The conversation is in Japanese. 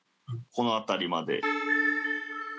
この辺りまで。